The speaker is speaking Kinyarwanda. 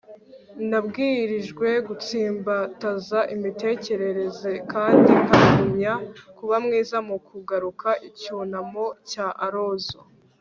nabwirijwe gutsimbataza imitekerereze kandi nkagumya kuba mwiza mu kugaruka. - icyunamo cya alonzo